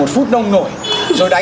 chúng tôi xin nhất